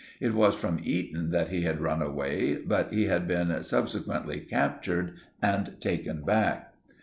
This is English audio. It was from Eton that he had run away, but he had been subsequently captured and taken back.